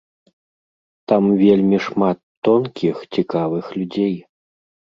Там вельмі шмат тонкіх, цікавых людзей.